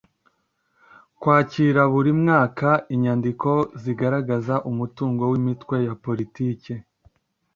kwakira buri mwaka inyandiko zigaragaza umutungo w’imitwe ya politiki